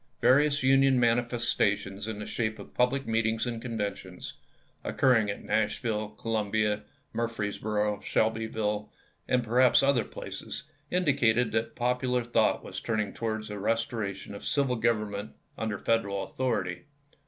Various Union manifestations in the shape of public meetings and conventions, occurring at Nash^dlle, Columbia, Murfreesboro, Shelby ville, and perhaps other places, indicated that popular thought was turning towards a restoration of civil government under Federal authority.